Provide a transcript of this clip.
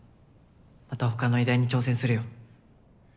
また他の医大に挑戦するよ。